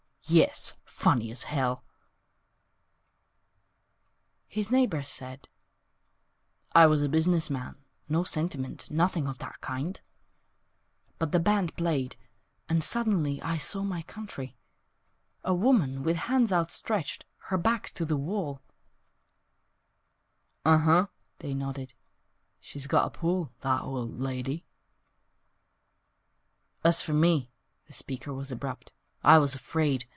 Yes, funny as hell!" ....... His neighbor said, "I was a business man, No sentiment, Nothing of that kind, But the band played And, suddenly, I saw My country, A woman, with hands outstretched, Her back to the wall " "U um," they nodded, "She's got a pull, That old lady." ....... "As for me," the speaker was abrupt, "I was afraid!